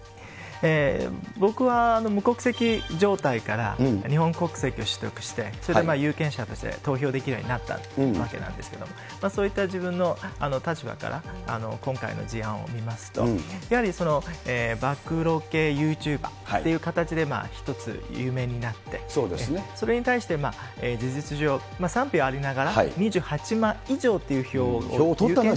僕は無国籍状態から日本国籍を取得して、それで有権者として投票できるようになったわけなんですけど、そういった自分の立場から今回の事案を見ますと、やはり暴露系ユーチューバーという形で、一つ有名になって、それに対して事実上、賛否はありながら、２８万以上という票を。